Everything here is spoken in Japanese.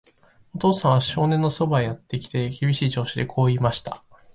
お父さんは少年のそばへやってきて、厳しい調子でこう言いました。